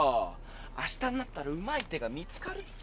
あしたになったらうまい手が見つかるって。